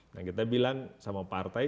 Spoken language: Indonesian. nah kita bilang sama partai